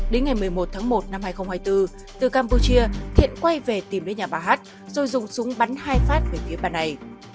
đến ngày một mươi một tháng một năm hai nghìn hai mươi bốn từ campuchia thiện quay về tìm đến nhà bà hát rồi dùng súng bắn hai phát về phía bà này